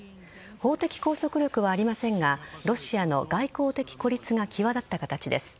法的拘束力はありませんがロシアの外交的孤立が際立った形です。